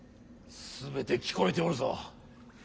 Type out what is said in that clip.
全て聞こえておるぞ。